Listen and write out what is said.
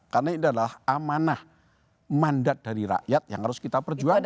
karena ini adalah amanah mandat dari rakyat yang harus kita perjuangkan